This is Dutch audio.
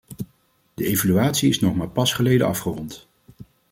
De evaluatie is nog maar pas geleden afgerond.